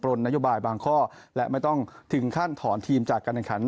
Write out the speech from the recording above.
ก็จะจัดโปรดนโยบายบางข้อและไม่ต้องถึงขั้นถอนทีมจากการอนักขัน